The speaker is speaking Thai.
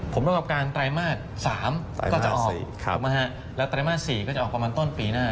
ประกอบการไตรมาส๓ก็จะออกแล้วไตรมาส๔ก็จะออกประมาณต้นปีหน้า